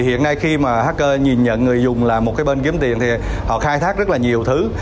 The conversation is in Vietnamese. hiện nay khi hacker nhìn nhận người dùng là một bên kiếm tiền thì họ khai thác rất nhiều thứ